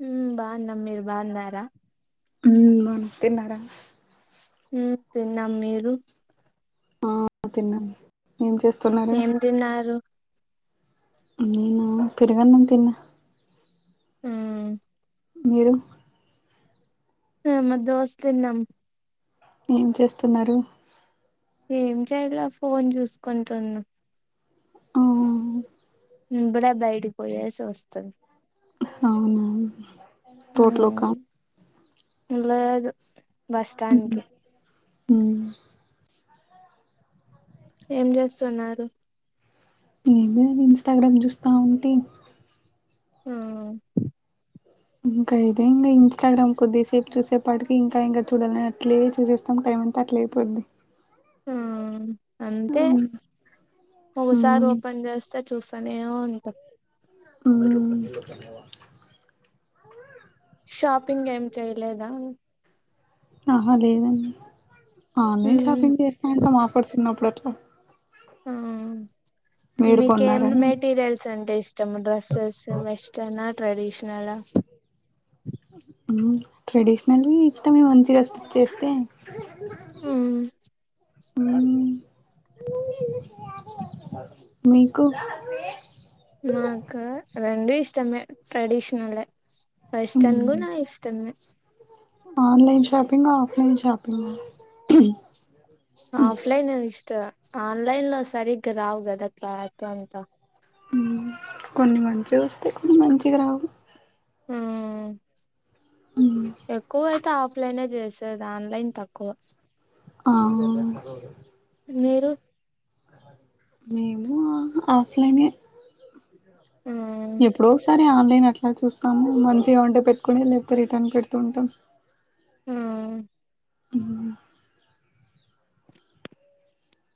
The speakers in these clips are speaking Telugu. హ్మ్ బాన్నం మీరు బాన్నర హ్మ్ బాన్నం తిన్నారా హ్మ్ తిన్నాం మీరు ఆ తిన్నాం ఏం తిన్నారు నేనా పెరుగన్నం తిన్న హ్మ్ మీరు ఆ మా దోస్ తిన్నాం ఏం చేస్తున్నారు ఏం చేయలే ఫోన్ చూసుకుంటున్నా ఆ ఇప్పుడే బయటికి పోయేసి వస్తున్న అవునా. ఉమ్ తోట్లొక? లేదు బస్ స్టాండ్ ఉమ్ కి. ఉమ్ ఏం చేస్తున్నారు? ఏం లేదు, ఇంస్టాగ్రామ్ చూస్తా ఉంటే. ఆ ఇంకా ఇదే ఇంగ ఇన్స్టాగ్రామ్ కొద్దిసేపు చూసేపాటికి, ఇంకా ఇంకా చూడాలని అట్లే చూసేస్తాం. టైమంతా అట్లే అయిపోద్ది. ఆ అంతే, ఉమ్ ఒకోసారి ఉమ్ ఓపెన్ చేస్తే చూస్ కానీ ఏమంటవ్? ఉమ్ షాపింగ్ ఏం చెయలేదా? ఆహ లేదండి. ఆన్లైన్ ఉమ్ షాపింగ్ చేస్తాంటం, ఆఫర్స్ ఉన్నప్పుడు అట్ ఆ మీరు మీకేం కొన్నారా మెటీీరియల్స్ అంటే ఇష్టం? డ్రెస్సెస్ వెస్టర్న్ ఆ? ట్రెడిషనల్ ఆ? ఉమ్ ట్రెడిషనల్వి ఇష్టమే, మంచి స్టిచ్ చేస్తే. ఉమ్ మీకు? మాక రెండూ ఇష్టమే, ట్రెడీషనలే. వెస్టర్న్ కూడ నా ఇష్టమే. Online shopping, offline షాపింగ? ఆఫ్లైనే ఇష్టమ్. ఆన్లైన్ లో సరిగ్గా రావు కదా, క్లాత్ అంతా. ఉమ, కొన్ని మంచిగా వస్తయి, కొన్ని మంచిగా రావు. ఆ ప్లైనే చేసేది, ఆన్లైన్ తక్కువ. ఆ ఆ మీరు? మేము ఆ, ఆఫ్లైనే. మ్ నె ఆన్లైన్ అట్లా చూస్తాము. మంచిగా ఉంటే పెట్టుకుని, లేకపోతే రిటర్న్ పెడుతూ ఉంటాం. ఆ ఉమ్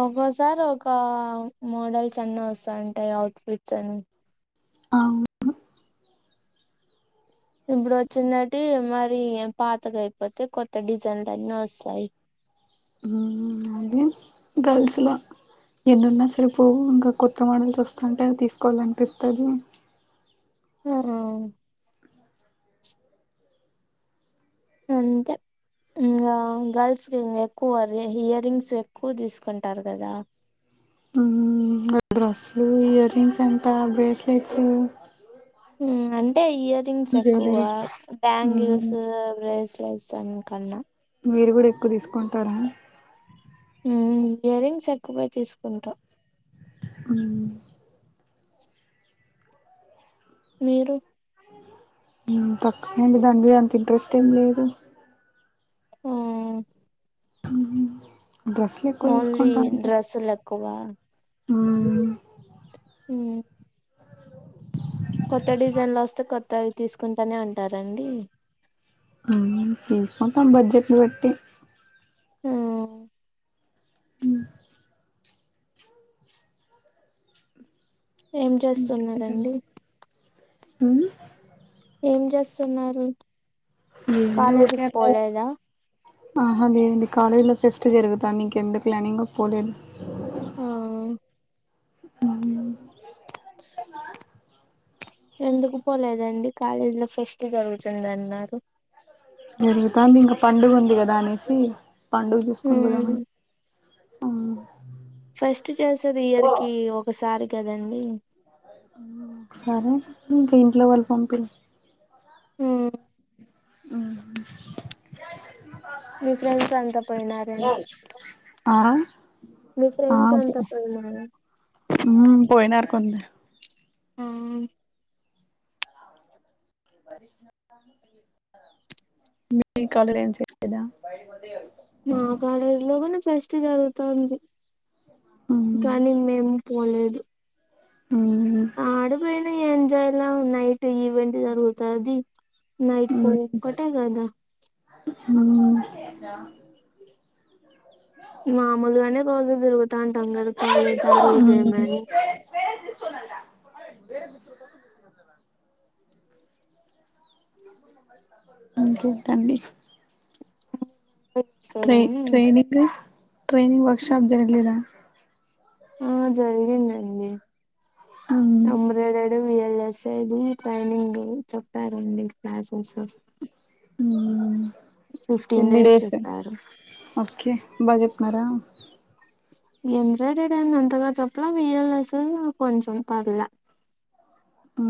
ఒక్కోసారి ఒక మోడల్స్ అన్ని వస్తాంటాయి, అవుట్ఫిట్స్ అన్. అవును. ఇప్పుడు వచ్చింనటి మరి పాతగైపోతే, కొత్త డిజైన్లున్నీ ఒస్తాయి. ఉమ్ అదే గర్ల్స్ల ఎన్నున్నా సరిపోవు. ఇంకా కొత్త మోడల్స్ వస్తుంటే, అవి తీసుకోవాలనిపిస్తది. ఆ అంతే ఇంకా గర్ల్స్ కి ఇంగెక్కువ ఇయర్ రింగ్స్ ఎక్కువ తీసుకుంటారు కదా, ఇంగ డ్రెస్సులు ఇయర్ రింగ్స్ అంట బ్రేస్లెట్స్ మ్మ్ అన్ టే ఇయర్ రింగ్స్ ఎక్కువ జ్యువెలరీ మ్మ్ బ్యాంగిల్స్ బ్రేస్ ప్లస్ అన్ కన్నా మీరు కూడా ఎక్కువ తీసుకుంటారా మ్మ్ ఇయర్ రింగ్స్ ఎక్కువగా తీసుకుంటా మ్మ్ మీరు మ్మ్ తక్కువేండి దాన్మీద అంత ఇంట్రెస్ట్ యేం లేదు హ్మ్ మ్మ్ హ్మ్ ఓన్లీ డ్రెస్సులెక్కువ మ్మ్ మ్మ్ కొత్త డిజైన్లో వస్తే కొత్తవి తీసుకుంటనే ఉంటారండి హ్మ్ తీసుకుంటాం బడ్జెట్ని బట్టి మ్మ్ మ్మ్ ఏమ్ జేస్ ఇంకేంటండి సున్నరండి మ్మ్ ఏం చేస్సున్నారు హ్మ్ దుకెళ్ళవ్ ఆహ దేంది కాలేజ్ లో ఫెస్ట్ జరుగుతాంది ఇంకెందుకులే అని ఇంగ పోలేదు ఆ ఉ ఎందుకు పోలేదండి కాలేజీ లో ఫెస్ట్ జరుగుతుంది అన్నారు జరుగుతాంది ఇంగ పండుగ ఉంది కదా అనేసి పండుగ జూసుకొని ఉమ్, పోదామని మ్మ్ ఫెస్ట్ చేసేది ఇయర్ కి ఒకసారి కదండి హ్మ్ ఒకసారే ఇంక ఇంట్లో వాళ్ళు పంపి హ్మ్ మ్మ్ హ్మ్ మీ ఫ్రెండ్స్ అంత పోయినారు అని ఆ మీ ఆ ఫ్రెండ్స్ అంత పోయినారని, పందె ఆ మీ కాలేజ్ లో ఏం చే [unintelligible] దా మా కాలేజ్ లోగున ఫెస్ట్ జరుగుతంది కానీ మేం పోలేది ఆడు బైనే ఎంజాయ్ లవ్ నైట్ టి ఇవెంట్ జరగుతాది నైట్ కొ ఒక్కటే కదా ఆ మామూల్ గానే రోజు తిరుగుతంటం కదా కాలేజ్ ఆ రోజు ఏమని అంక్ ఎంతండి ట్రై సరేనా ట్రైనింగ్ ట్రైనింగ్ వర్క్షాప్ జర్గలేదా ఆ జరిగిందండి అమ్రెడై డు వి ఎల్ ఎస్ ఐ గు ట్రైనింగ్ చెప్పారండి క్లాసెసు ఉమ్మ్ ఎన్ని డేస్ ఎ బ చెప్తునర ఎంబ్రాయిడరీ అన్ అంతగా చెప్ల వి ఎల్ ఎస్ ఎన్ కొంచెం పర్ల ఆ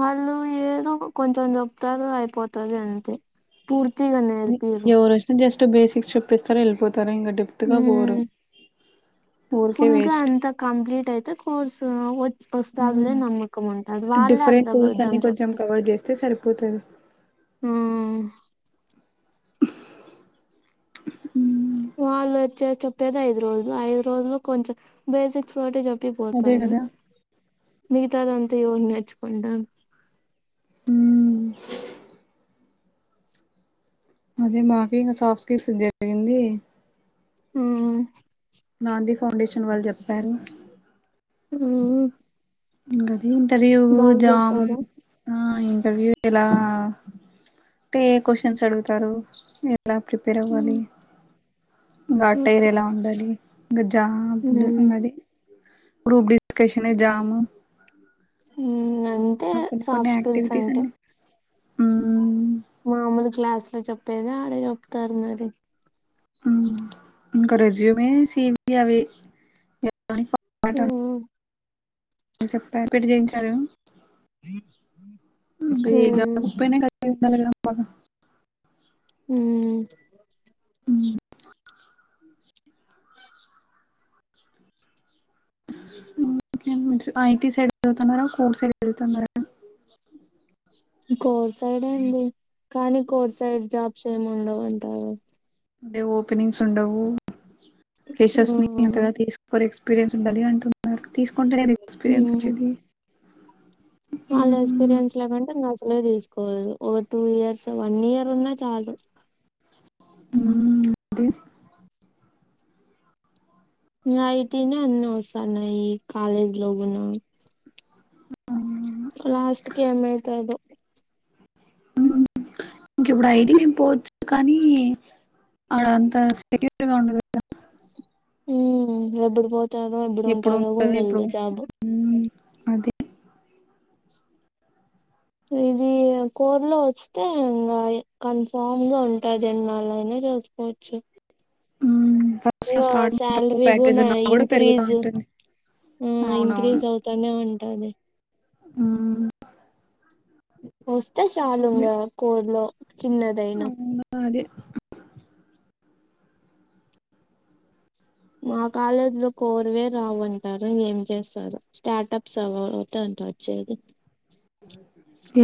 వాళ్ళు ఏదో కు కొంచెం చెప్తారు అయిపోతది అంతే పూర్త్ ఎవర్ ఒష్నా జెస్ట్ టు బేసిక్స్ చెప్పేస్తార్ ఎల్పోత్ ఉమ్మ్ ఊరికే ఫుల్గా వేస్ట్ అంత కంప్లీట్ అయితే కోర్స్ ఉస్తదులే నమ్మకం ఉంటార్ వాళ్ళే అర్ధబర్ధం చెప్త్ పోతది ఆహ్ మ్మ్ వాళ్ళు వచ్చే చెప్పేది ఐదు రోజు ఐదు రోజులు కొంచెం బేసిక్స్ తోటి చెప్ ప్పి అదే పోతారు కదా మిగతాదంతా యోన్ నేర్చుకుంటం మ్మ్ అదే మాకే ఇంక సాఫ్ కేస్ జరిగింది ఆహ్ నౌన్ది ఫౌండేషన్ వాళ్ చెప్పారు ఉమ్మ్ ఇంగ దీన్ తరియు జాం ఆ ఇంటర్వ్యూ ఎలా టే క్యూషన్స్ అడుగుతారు ఎలా ప్రిపేర్ అవ్వాలి ఉమ్ ఇంగా ఓకే అటైర్ ఎలా ఉండాలి ఇంకా జా బుడ్ హ్మ్ ఇంగది గ్రూప్ డిస్కషన్, జామ్ ఉ అంటే ఇంకా కొన్ని కొన్ని సాఫ్ట్ స్కిల్స్ యాక్టివిటీస్ అంటే అన్ని మ్మ్ మామూలు క్లాస్ లో చెప్ చెప్పేది ఆడ చెప్తన్నారు ఉ ఇకా రెసుమె ఏ సివిలు అవి [unintelligible] హ్మ్ చెప్ప ఎ పెటి చేయించారు [unintelligible] ప ఉ ఉ ఐటి సైడ్ వెలుతున్నారా కోర్ సైడ్ వెలుతున్నారా కోర్ సైడ్ అండి కానీ కోర్ సైడ్ జాబ్స్ ఏముండవు అంటారు అంటే ఓపెనింగ్స్ ఉండవు ఫ్రెషర్స్ నీ హ్మ్ అంతగా తీసుకోరు ఎక్స్పీరియన్స్ ఉండాలి అంటున్నారు తీసుకుంటెనే ఎక్స్పీరియన్స్ వచ్చేది వాళ్ళ మ్మ్. ఎక్స్పీరియన్స్ లేకుంటే ఇంకా అసలే తీసుకోవాలదు ఒక టూ ఇయర్స్ వన్ ఇయర్ ఉన్నా చాలు ఉ అంతే ఐటీనే అన్ని వస్తన్నాయి కాలేజీ లో కూడా ఆ, లాస్ట్ కి ఏమైతుందో ఇంక ఇప్పుడు ఐ టి మేం పోవచ్చు కానీ అడ అంత సెక్యూర్గా ఉండదు కదా ఉ ఎప్పుడూ పో ఎప్పుడూ ఎప్పుడు ఉంటాదో ఉంటుంది ఎప్పుడు తెల్వదు జాబ్ మ్మ్. అదే ఇది కోర్ లో వస్తే కన్ఫామ్ గా ఉంటది ఎన్నాళ్ళైనా చేసుకోవచ్చు ఉ శాలరీ కూడా పెరుగుతూ ఇంక్రీజ్ ఉంటుంది ఆ ఇంక్రీజ్ అవుతానే ఉంటాది ఆ అ వస్తే చాలు ఇంగ కోర్లో చిన్నదైన అవునా అదే మా కాలేజ్ లో కోర్వే రావంటారు ఏం చేస్తారు స్టార్టప్స్ అవి ఓటె అంట వచ్చేది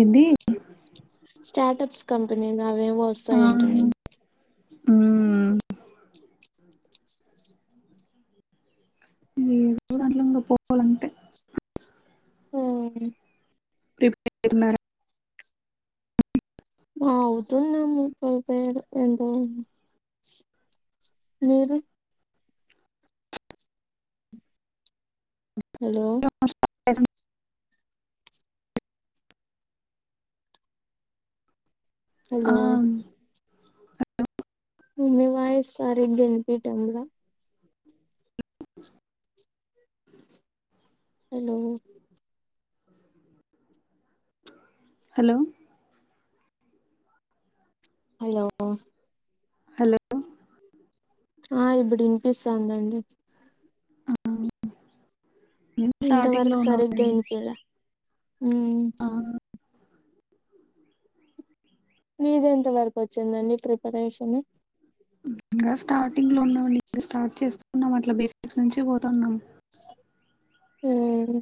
ఎంది స్టార్ట్ప్స్ కంపెనీలు అవేవో వస్తాయంటనే ఉమ్ ఉమ్ దాంట్లోంకి పోవలంటే ఉమ్ ప్రిపేర్ అవుతున్నారా ఆ ఆవుతున్న ప్రిపేర్ [unintelligible] మీరు హలో ఎస్ ఆ హలో అలో వాయిస్ సరిగ్గా వినిపియ్యటంలే హలో హలో హలో హలో ఆ ఇప్పుడు వినిపిస్తాందండి మేము స్టార్టింగ్ లో ఇంతవరకు సరిగ్గా ఉన్నామండి వినిపియ్యాలే ఉమ్ ఆ మీది ఎంత వరకు వచ్చిందండి ప్రిపరేషన్ ఇంగ స్టార్టింగ్ లో ఉన్నాం స్టార్ట్ చేస్తున్నాం అట్లా బేసిక్స్ నుంచి పోతున్నాం ఉమ్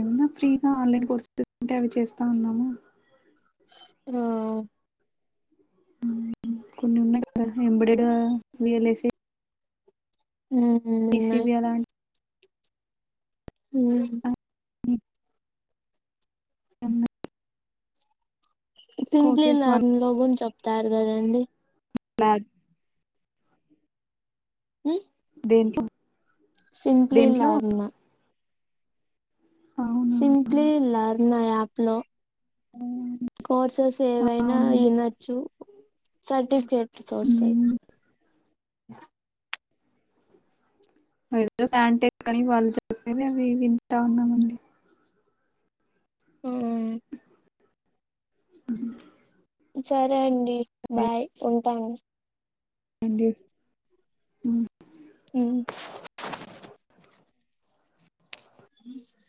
ఏమో ఫ్రీగా ఆన్లైన్ కోర్సు ఉంటే అవి చేస్తా ఉన్నాము ఆ కొన్ని ఉన్నాయి కదా ఎంబెడెడ్ గా వి ఎల్ ఏ సి ఉమ్ బిసీబి అలాంటి ఉమ్ అ ఉమ్ సింప్లీ వన్ లర్న్ లో గూన చెప్తారు కదా అండి ల్యాబ్ ఉమ్ దేంట్లో సింప్లీ దేంట్లో లర్న్ అవునా సింప్లీ లర్న్ యాప్ లో కోర్సెస్ ఏవైనా అవునండి వినొచ్చు ఆ సర్టిఫికేట్స్ వస్తాయి పాయింటే కానీ వాళ్ళు చెప్పేది అవి వింటా ఉన్నామండి ఉమ్ సరే అండి బాయ్ ఓ తాను అంటే ఉమ్ ఉమ్ అ